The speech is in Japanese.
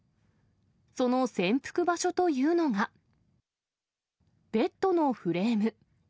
その潜伏場所というのが、ベッドのフレーム。